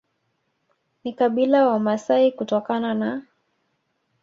ni kabila la Wamasai kutokana na